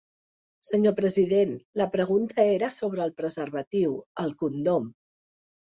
Senyor president, la pregunta era sobre el preservatiu, el condom.